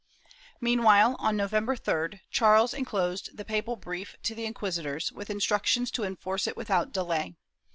^ Meanwhile, on November 3d, Charles enclosed the papal brief to the inquisitors, with instructions to enforce it without delay.